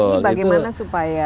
ini bagaimana supaya